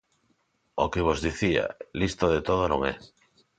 O que vos dicía, listo de todo non é.